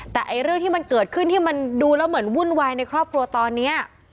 แต่เรื่องที่มันเกิดขึ้นที่มันดูแล้วเหมือนวุ่นวายในครอบครัวตอนนี้